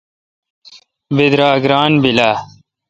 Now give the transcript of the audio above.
بیدراگ ران بیل اہ؟